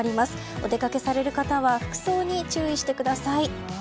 お出かけされる方は服装に注意してください。